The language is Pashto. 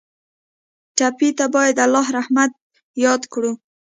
ټپي ته باید د الله رحمت یاد کړو.